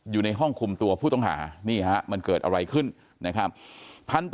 อยู่ในห้องคุมตัวผู้ต้องหานี่ฮะมันเกิดอะไรขึ้นนะครับ